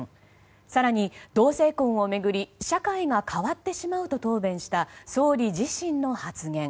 更に、同性婚を巡り社会が変わってしまうと答弁した総理自身の発言。